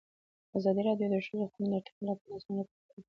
ازادي راډیو د د ښځو حقونه د ارتقا لپاره نظرونه راټول کړي.